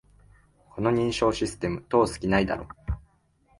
この認証システム、通す気ないだろ